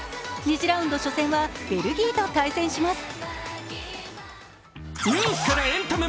２次ラウンド初戦はベルギーと対戦します。